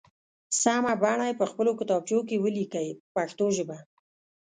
سمه بڼه یې په خپلو کتابچو کې ولیکئ په پښتو ژبه.